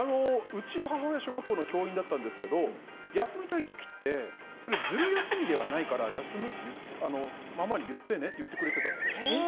うちの母親小学校の教員だったんですけど休みたい時ってズル休みではないから休むってママに言ってねって言ってくれてたので。